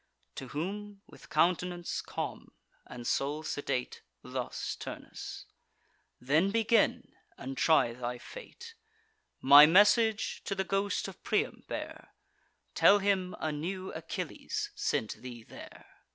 To whom, with count'nance calm, and soul sedate, Thus Turnus: "Then begin, and try thy fate: My message to the ghost of Priam bear; Tell him a new Achilles sent thee there."